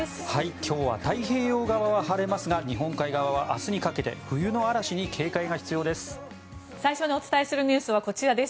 今日は太平洋側は晴れますが日本海側は明日にかけて冬の嵐に警戒が必要です。